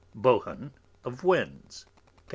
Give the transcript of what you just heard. Bohun of Winds, P.